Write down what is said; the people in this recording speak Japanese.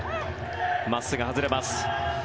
真っすぐ、外れます。